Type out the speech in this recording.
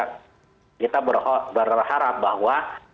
kita berharap bahwa